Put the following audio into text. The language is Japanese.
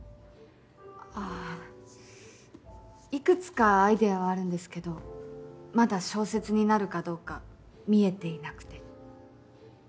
あぁ幾つかアイデアはあるんですけどまだ小説になるかどうか見えていなくて。